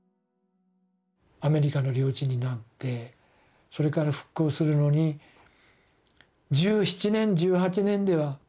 アメリカの領地になってそれから復興するのに１７年１８年では。